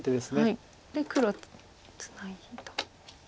で黒ツナギと。